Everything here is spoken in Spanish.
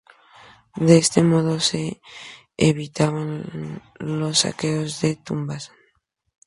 De este modo se evitaban los saqueos de tumbas.